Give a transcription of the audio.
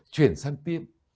chuyển sang tiên